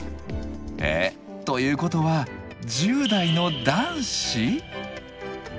え？ということは１０代の男子？